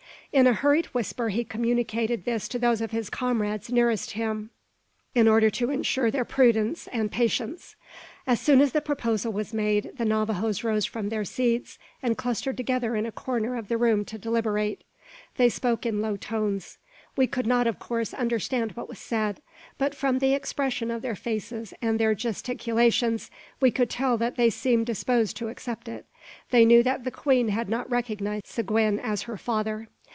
In a hurried whisper he communicated this to those of his comrades nearest him, in order to insure their prudence and patience. As soon as the proposal was made, the Navajoes rose from their seats, and clustered together in a corner of the room to deliberate. They spoke in low tones. We could not, of course, understand what was said; but from the expression of their faces, and their gesticulations, we could tell that they seemed disposed to accept it. They knew that the queen had not recognised Seguin as her father.